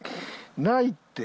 ないって。